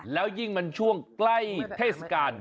แล้วยิ่งมันช่วงใกล้เทศกาล